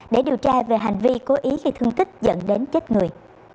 để điều tra về hành vi cố ý gây thương tích dẫn đến chết người